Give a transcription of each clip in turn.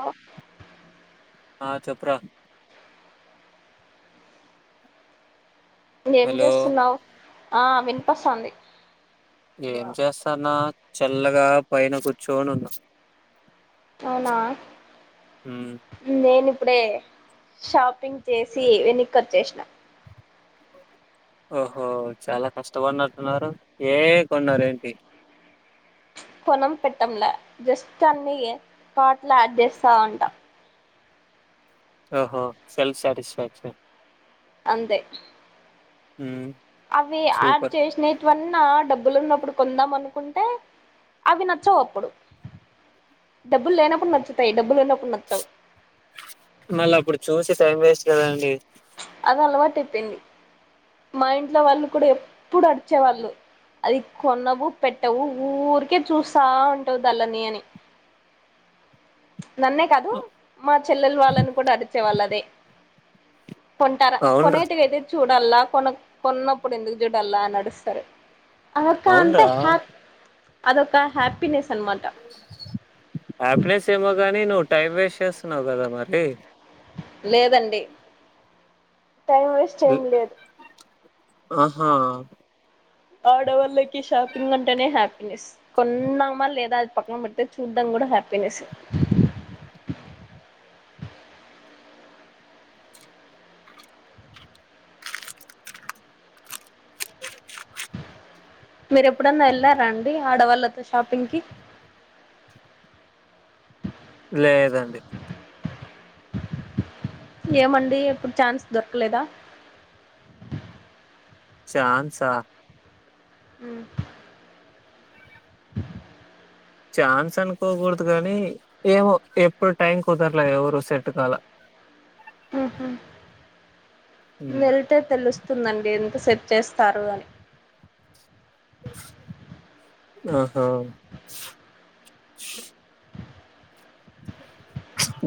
ఓ ఆ చెప్పురా ఏం హలో జేస్తున్నావ్ ఆ వినిపస్థాంది. ఏం చేస్తాన్నా చల్లగా పైన కూర్చోనున్నా. అవునా హ్మ్ నేను ఇప్పుడే షాపింగ్ చేసి వెనక్కొచ్చేశ్న. ఓహో చాలా కష్టపడినట్టున్నారు ఏ కొన్నారెంటి. కొనం పెట్టంలే జస్ట్ అన్ని కాట్ల ఆడ్ జేస్తా ఉంటా ఓహో సెల్ఫ్ సాటిస్ఫాక్షన్. అంతే హమ్ అవ్వి ఆడ్ చేసినె టువన్నా డబ్బులు ఉన్నప్పుడు కొందాం అనుకుంటే అవి నచ్చవు అప్పుడు. డబ్బులు లేనప్పుడు నచ్చుతాయి. డబ్బులు ఉనప్పుడు నచ్చవు. మళ్ళ అప్పుడు చూసి టైం వేస్ట్ కదా అండి. అది అలవాటయిపోయింది. మా ఇంట్లో వాళ్ళు కూడా ఎప్పుడు అడిచేవాళ్ళు. అది కొనవు పెట్టవు ఊరికే చూస్తా ఉంటవు దల్లనీ అని నన్నే కాదు మా చెల్లెలు వాళ్ళని కూడా అరిచే వాళ్ళదే కొంటార అవున్రా కొనేటివయితే చూడల్ల కొన కొన్నప్పుడు ఎందుకు జూడల్ల అని అడుస్తారు. అదొక అవున్రా అంటే హ అదొక హ్యాపీనెస్ అన్మాట. హ్యాపీనెస్ ఏమో గాని నువ్వు టైం వేస్ట్ చేస్తున్నావు కదా మరి. లేదండి టైం వేస్ డె ఆహా ఆడవాళ్ళకి షాపింగ్ అంటేనే హ్యాపీనెస్. కొన్నామ లేదా అది పక్కన పెడితే చూడ్డం కూడా హ్యాపీనెస్. మీరు ఎప్పుడన్నా ఎళ్ళారాండి ఆడవాళ్లతో షాపింగ్ కి? లేదండి ఏమండి ఎప్పుడు ఛాన్స్ దొరకలేదా? ఛాన్సా అ ఛాన్స్ అనుకోకూడదు కానీ ఏమో ఎప్పుడు టైం కుదరలే ఎవరు సెట్టు కాల. ఉహూ ఉమ్, వెళ్తే తెలుస్తుందండి ఎంత సెట్ చేస్తారు అని. ఆహా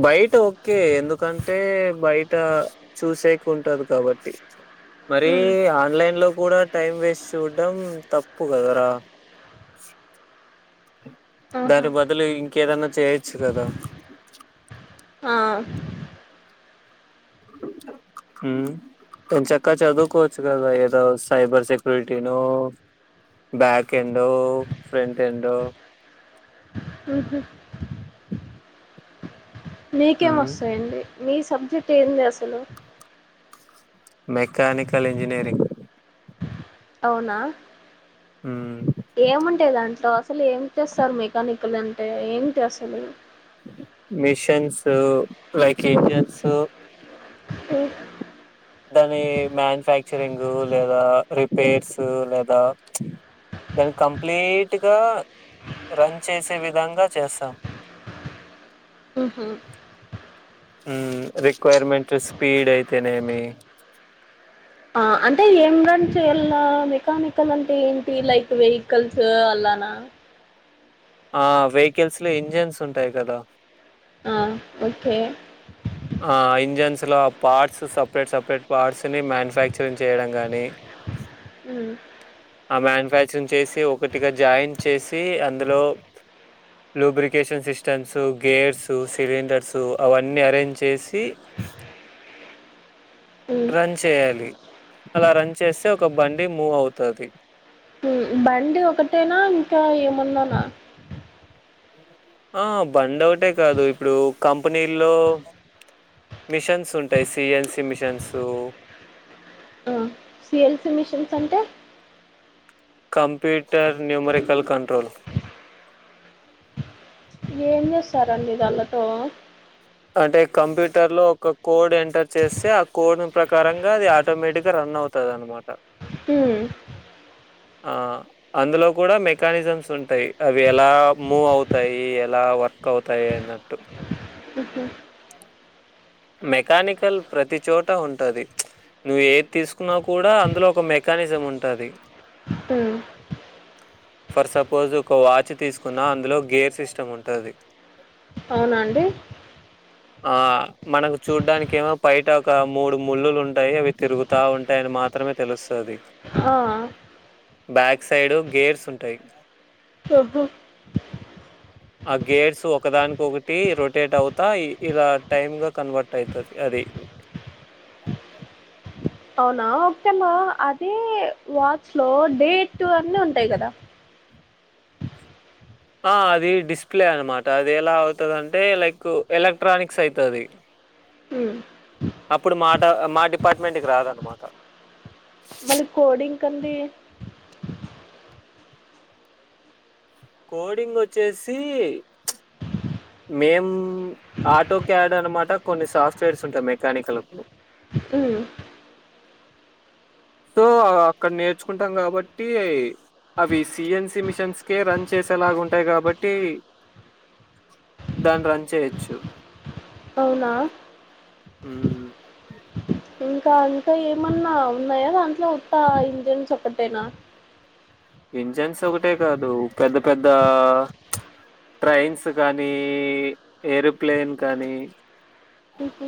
బయట ఓకే ఎందుకంటే బయట చూసేకి ఉంటది కాబట్టి మరీ అని ఆన్లైన్లో కూడా టైం వేస్ట్ చూడ్డం తప్పు కదరా ఆహా దాని బదులు ఇంకేదైనా చేయొచ్చు కదా. ఆ హ్ ఎం చక్క చదువుకోవచ్చు కదా ఏదో సైబర్ సెక్యూరిటీనూ బ్యాక్ ఎండో ఫ్రంట్ ఎండు ఉహు మీకేం మోస్తాయండి మీ సబ్జెక్ట్ ఏంది అసలు. మెకానికల్ ఇంజనీరింగ్ అవునా. హ. ఏముంటాయ్ దాంట్లో అసలు ఏమి చేస్తారు మెకానిక్లు అంటే ఏమిటి అసలు. Machines like engines. ఏఓ దాని మ్యానుఫ్యాక్చరింగ్ లేదా రిపేర్స్ లేదా. దన్ కంప్లీట్ గా రన్ చేసే విధంగా చేస్తాం. హహ. ఉ రిక్వైర్మెంట్ స్పీడ్ అయితేనేమి. ఆ అంటే ఏం రన్ చేయాల మెకానికల్ అంటే ఏంటి లైక్ వెహికల్స్ అలానా. ఆ వెహికల్స్ లో ఇంజన్స్ ఉంటాయి కదా. అ ఓకే. ఆ ఇంజన్స్ లో ఆ పార్ట్స్ సపరేట్ సపరేట్ పార్ట్స్ ని మ్యానుఫ్యాక్చరింగ్ చేయడం గాని ఉ. ఆ మ్యానుఫ్యాక్చరింగ్ చేసి ఒకటిగా జాయింట్ చేసి అందులో. లూబ్రికేషన్ సిస్టమ్స్ గేర్సు సివిండర్సు అవన్నీ అరేంజ్ చెస్. చేసి. ఉమ్ చేయాలి అలా రన్ చేస్తే ఒక బండి మూవ్ అవుతాది. బండి ఒకటేనా ఇంకా ఏమన్నానా. ఆ బండ్ ఒకటె కాదు ఇప్పుడు కంపెనీల్లో. మిషన్స్ ఉంటాయి సిఎన్సి మిషన్స్. సిఎన్సి మిషన్స్ అంటే. Computer numerical control. ఏం చేస్తారండి దానిలతో. అంటే కంప్యూటర్ లో ఒక కోడ్ ఎంటర్ చేస్తే ఆ కోడ్ ప్రకారంగా అది. ఆటోమేటిక్గా రన్ అవుతది అనమాట. ఉ. ఆ. అందులో కూడా మెకానిజమ్స్ ఉంటాయి అవి ఎలా మూవ్ అవుతాయి ఎలా వ. కవుతాయి అన్నట్టు. ఉహు. మెకానికల్ ప్రతి చోట ఉంటది. నువ్వు ఏది తీసుకున్నా కూడా అందులో ఒక మెకానిజం ఉంటాది. హ ఫర్ సపోజ్ ఒక వాచ్ తీసుకున్న అందులో గేర్ సిస్టమ్ ఉంటాది. అవునా అండి. ఆ. మనకు చూడ్డానికి ఏమో బయట ఒక మూడు ముళ్ళులు ఉంటాయి అవి తిరుగుతా ఉంటాయని మాత్రమే తెలుస్తది. ఆ. బ్యాక్ సైడ్ గేర్స్ ఉంటయ్. ఓహో. ఆ గేట్స్ ఒకదానికొకటి రొటేట్ అవుతా ఇలా టైమ్ గా. కన్వర్ట్ అయితది అది. అవునా ఒకటేమ్మా అది వాచ్ లో డేట్ అన్ని ఉంటాయి కదా. ఆ అది డిస్ప్లే అనమాట అది ఎలా అవుతది అంటే లైకు ఎలక్ట్రానిక్స్ ఐతది ఉమ్. అప్పుడు మాట మా డిపార్ట్మెంట్ కి రాదనమాట మళ్ళీ కోడింగ్ కండి కోడింగ్ వొచ్చేసి మేం ఆటో క్యాడ్ అనమాట కొన్ని సాఫ్ట్వేర్స్ ఉంటాయి మెకానికల్ కు ఉమ్ తో అక్కడ నేర్చుకుంటాం కాబట్టి అవి సి ఎన్ సి మిషన్స్ కే రన్ చేసేలాగా ఉంటాయి కాబట్టి దాన్ని రన్ చేయొచ్చు అవునా ఊ ఇంకా ఇంకా ఏమన్నా ఉన్నాయా దాంట్లో ఉత్త ఇంజన్స్ ఒకటేనా ఇంజన్స్ ఒకటే కాదు పెద్ద పెద్ద ట్రైన్స్ కానీ ఏరోప్లేన్ కానీ ఉహూ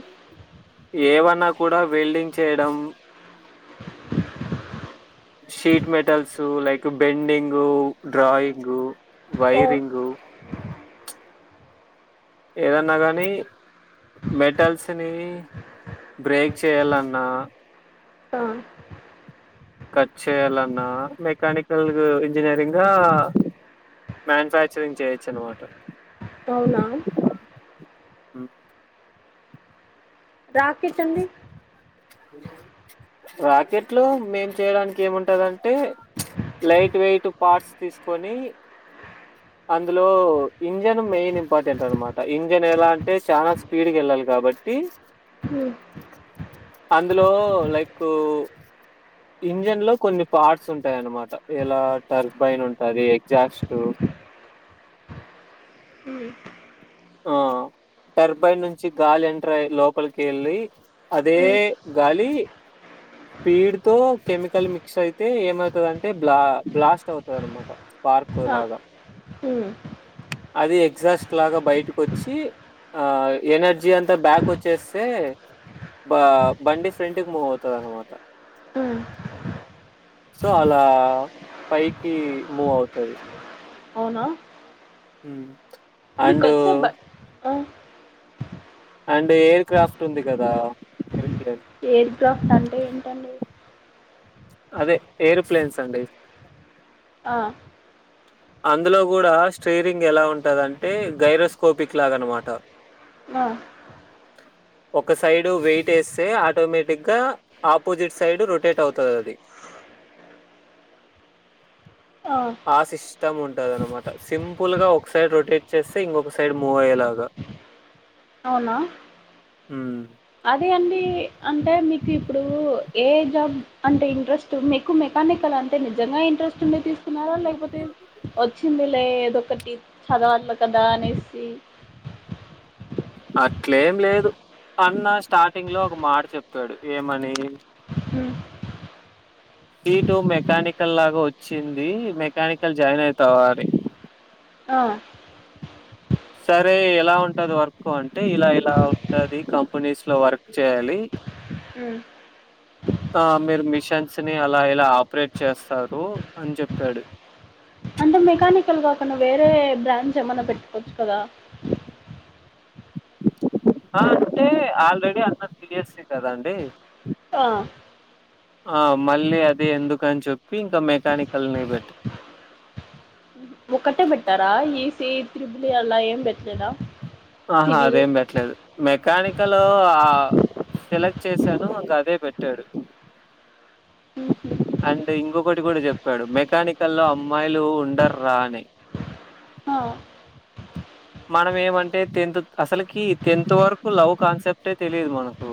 ఏవన్నా కూడా వెల్డింగ్ చేయడం sheet metals like bending drawing ఆ వైరింగు ఏదన్నా గానీ మెటల్స్ ని బ్రేక్ చేయాలన్నా ఆ కట్ చేయాలన్నా మెకానికల్ గా ఇంజనీరింగ్ గా మ్యానుఫ్యాక్చరింగ్ చేయొచ్చు అనమాట అవునా రాకెట్ అండి రాకెట్ లో మేం చెయ్యడానికి ఏముంటాదంటే లైట్ వెయిట్ పార్ట్స్ తీసుకొని అందులో ఇంజన్ మెయిన్ ఇంపార్టెంట్ అనమాట ఇంజన్ ఎలా అంటే చానా పీరు వెళ్ళాలి కాబట్టి అందులో లైకు ఇంజన్ లో కొన్ని పార్ట్స్ ఉంటాయన్నమాట ఎలా టర్బైన్ ఉంటాది ఎగ్జాస్ట్ ఊ ఆ టర్బైన్ నుంచి గాలి ఎంటర్ అయ్యి లోపలికెళ్ళి అదే గాలి పీడ్ తో కెమికల్ మిక్స్ అయితే ఏమవుతాది అంటే బ్లా బ్లాస్ట్ అవుతాయి అనమాట పార్కొ లగా హూ అది ఎగ్సాస్ట్ లాగా బయటకొచ్చి ఆ ఎనర్జీ అంతా బ్యాక్ వచ్చేస్తే బా బండి ఫ్రెంటుకి మువ్ అవుతాయి అనమాట ఊ సో అలా పైకి మూవ్ అవుతది అవునా హ్ మీ కొత్త బా ఆ అండ్ ఎయిర్ క్రాఫ్ట్ ఉంది కదా ఏరోప్లేన్ ఎయిర్ క్రాఫ్ట్ అంటే ఏంటండి అదే ఏరోప్లేన్స్ అండి ఆ అందులో కూడా స్ట్రీరింగ్ ఎలా ఉంటందంటే గైరోస్కోపిక్ లాగా అనమాట ఆ ఒక సైడు వెయిట్ వేస్తే ఆటోమేటిక్గా ఆపోజిట్ సైడ్ రొటేట్ అవుతది అది ఆ సిష్ స్టం ఉంటదన్నమాట సింపుల్ గా ఒక సైడ్ రొటేట్ చేస్తే ఇంకొక సైడ్ మూవ్ అయ్యేలాగా అవునా మ్ అదే అండి అంటే మీకు ఇప్పుడు ఏ జాబ్ అంటే ఇంట్రెస్ట్ మీకు మెకానికల్ అంటే నిజంగా ఇంట్రెస్ట్ ఉంది తీ తున్నారా లేకపోతే వచ్చింది లే ఏదొ ఒకటి చదువలి కదా అనేసి అట్లేం లేదు అన్న స్టార్టింగ్ లో ఒక మాట చెప్పాడు ఏమని మ్ సిటూ మెకానికల్ లాగా వచ్చింది మెకానికల్ జాయిన్ అయితవ అని ఆ సరే ఎలా ఉంటది వర్క్ అంటే ఇలా ఇలా ఉంటది కంపెనీస్ లో వర్క్ చేయాలి మ్ ఆ మీరు మిషన్స్ ని అలా ఇలా ఆపరేట్ చేస్తారు అని చెప్పాడు అంటే మెకానికల్ కాకుండా వేరే బ్రాంచ్ ఏమైనా పెట్టుకోవచ్చు కదా ఆ అంటే ఆల్రెడీ అన్న సీఎస్సీ కదండి ఆ ఆ మళ్ళీ అది ఎందుకని చెప్పి ఇంకా మెకానికల్ని పెట్ ఒక్కటే పెట్టారా ఈసీ త్రిబులీ అలా ఏం పెట్టలేదా ఆహా సివిల్ అదేం పెట్టలేదు మెకానికల్ ఆ సెలెక్ట్ చేశాను ఇంకా అదే పెట్టాడు హుహు. అండ్ ఇంకొకటి కూడా చెప్పాడు మెకానికల్లో అమ్మాయిలు ఉండర్రా అని ఆ మనం ఏమంటే టెన్త్ అసలకి టెన్త్ వరకు లవ్ కాన్సెప్ట్టే తెలియదు మనకు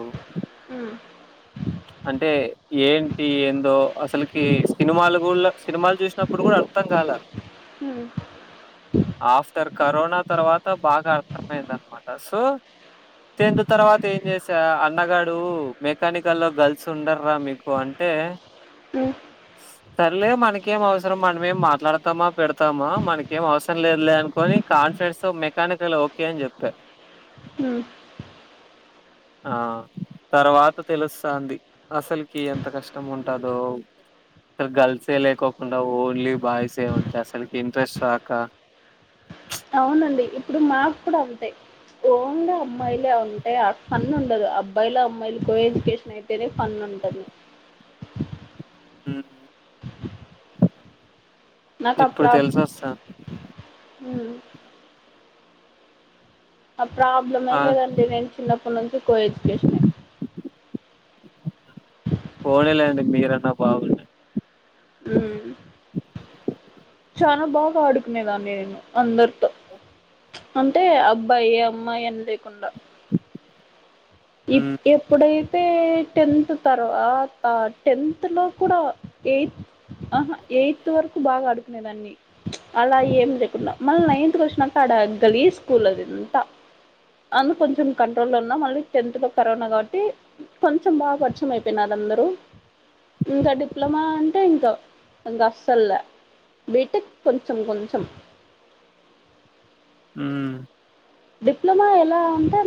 ఉమ్ అంటే ఏంటి ఏందో అసలుకి సినిమాలు కూడా సినిమాలు చూస్ నప్పుడు కూడా అర్థం కాలే మ్ ఆఫ్టర్ కరోనా తర్వాత బాగా అర్థమైందనమాట సో టెన్త్ తర్వాత ఏం చేసా అన్నగాడు మెకానిక్ కల్లో గర్ల్స్ ఉండర్ర మీకు అంటే ఆ సర్లే మనకేం అవసరం మనేం మాట్లాడతామా పెడుతామా మనకు ఏం అవసరం లేదులే అనుకోని కాన్ఫిడెన్స్తో మెకానికల్ ఓకే అని చెప్పా ఉమ్ ఆ తర్వాత తెలుస్థంది అసలుకి ఎంత కష్టంగ ఉంటదో అసలు గర్ల్సే లేకోకుండా ఓన్లీ బాయ్సే ఉంటాయి అసలుకి ఇంట్రెస్ట్ రాక అవునండి ఇప్పుడు మాక్ కూడా అంతే ఓన్ లీ అమ్మాయిలే ఉంటే ఆ ఫన్ ఉండదు అబ్బాయిలో మరి కో ఎజ్యుకేషన్ అయితే నె ఫన్ ఉంటది ఉ నాకా ప్రాబ్లం ఆ ప్రాబ్లమే ఆ లేదండి నేను చిన్నప్పటి నుంచి కో ఎడ్యుకేషన్ పోనీలేండి మీరన్న బాగుండ ఉ చానా బాగ ఆడుకునేదాన్ని నేను అందరు అంటే అబ్బాయి అమ్మాయి అని లేకుండా ఇప్ మ్ ఎప్ ఇప్పుడైతే టెన్త్ తర్వాత టెన్త్ లో కూడ ఎయిత్ అహా ఎయిత్ వరకు బాగా అడుకునేదాన్ని అలా ఏం చేయకుండా మల్ నైన్త్ కొచ్చినాంక అడ గలిజ్ స్కూల్ అది అంతా అందు కొంచెం కంట్రోల్ లో ఉన్నా మళ్ళీ టెన్త్ లో కరోనా కాబట్టి కొంచెం బాగా వర్షం అయిపోయినారు అందరూ ఇంక డిప్లొమా అంటే ఇంకా ఇంక అస్సల్లే బీటెక్ కొంచెం కొంచెం ఉమ్ డిప్లమా ఎలా అంటే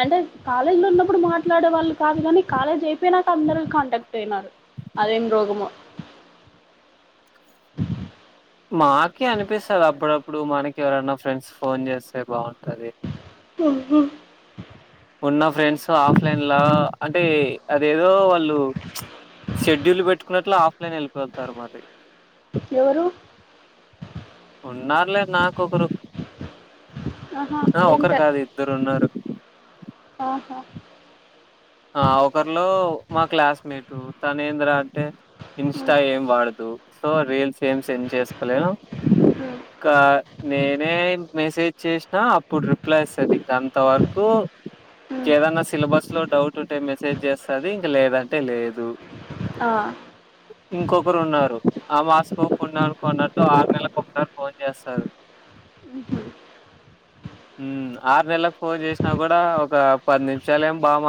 అంటే కాలేజ్ లో ఉన్నప్పుడు మాట్లాడే వాళ్ళు కాదు కానీ కాలేజ్ అయిపోయినాక అందరు కాంటాక్ట్ అయినారు అదేం రోగమో మాకే అనిపిస్తది అప్పుడప్పుడు మనకి ఎవరన్నా ఫ్రెండ్స్ ఫోన్ చేస్తే బాగుంటది ఆహా ఉన్న ఫ్రెండ్స్ ఆఫ్లైన్ న్ల అంటే అదేదో వాళ్ళు షెడ్యూల్ పెట్టుకున్నట్లు ఆఫ్లైన్ వెళ్ళిపోతారు మరి ఎవరు ఉన్నారులే నాకు ఒకరు ఆ ఒకరు కాదు ఇద్దరు ఉన్నారు ఆహ ఆ ఒకరిలో మా క్లాస్మేట్ తనేంద్ర అంటే ఇన్స్టా ఏం వాడదు సో రీల్స్ ఏం సెండ్ చేసుకోలేను ఇంక నేనే మెసేజ్ చేసినా అప్పుడు రిప్లై ఇస్తుంది ఇంకా అంత వరకు ఇంకేదన్న సిలబస్ లో డౌట్ ఉంటే మెసేజ్ చేస్తుంది ఇంక లేదంటే లేదు ఆ ఇంకొకరు ఉన్నారు ఆ మాస్ కోపు ఉన్నా అనుకున్నట్టు ఆరు నెలలకు ఒకసారి ఫోన్ చేస్తారు ఉ ఆరు నెలలకు ఫోన్ చేసినా కూడా ఒక పది నిమిషాలేం బాగ